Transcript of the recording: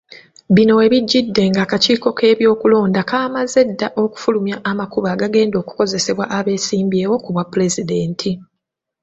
Bino we bijjidde ng'akakiiko k'ebyokulonda kaamaze dda okufulumya amakubo agagenda okukozesebwa abeesimbyewo ku bwapulezidenti.